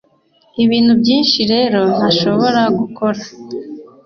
ibintu byinshi rero ntashobora gukora.